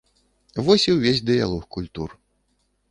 Вось і ўвесь дыялог культур.